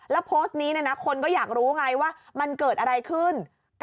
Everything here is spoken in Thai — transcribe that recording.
แล้วโพสต์นี้คนก็อยากรู้ไงว่ามันเกิดอะไรขึ้น